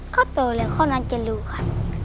ก็โตแล้วเขาน่าจะรู้ค่ะ